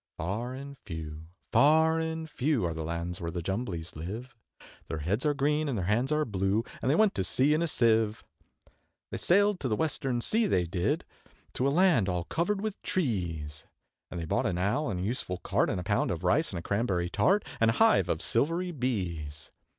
Far and few, far and few, Are the lands where the Jumblies live; Their heads are green, and their hands are blue, And they went to sea in a Sieve. They sailed to the Western Sea, they did, To a land all covered with trees, And they bought an Owl, and a useful Cart, And a pound of Rice, and a Cranberry Tart, And a hive of silvery Bees.